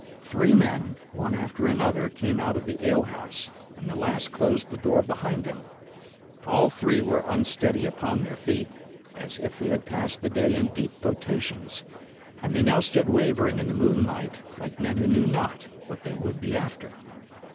Three men, one after another, came out of the ale house, and the last closed the door behind him. All three were unsteady upon their feet, as if they had passed the day in deep potations, and they now stood wavering in the moonlight, like men who knew not what they would be after.